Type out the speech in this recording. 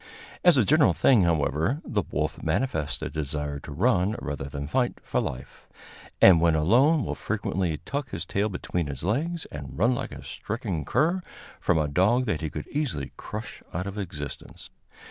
As a general thing, however, the wolf manifests a desire to run, rather than fight, for life, and when alone will frequently tuck his tail between his legs, and run like a stricken cur from a dog that he could easily crush out of existence.